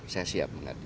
saya siap menghadapi